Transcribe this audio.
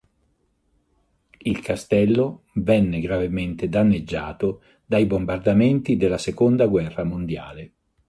Il castello venne gravemente danneggiato dai bombardamenti della seconda guerra mondiale.